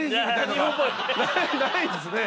ないですね。